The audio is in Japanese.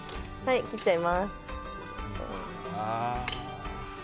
切っちゃいます。